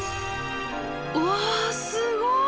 うわすごい！